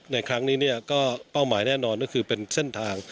ในครั้งนี้ก็เป้าหมายแน่นอนก็คือเป็นเส้นทาง